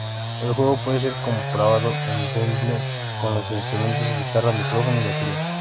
El juego puede ser comprado en bundle con los instrumentos guitarra, micrófono y batería.